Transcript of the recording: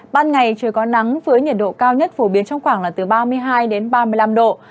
ban ngày trời có nắng với nhiệt độ cao nhất phổ biến trong khoảng là từ ba mươi hai đến ba mươi năm độ